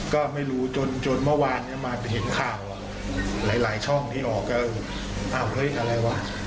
ก็ไม่รู้จนจนเมื่อวานเนี่ยมาเห็นข่าวหลายช่องที่ออกก็อ้าวเฮ้ยอะไรวะ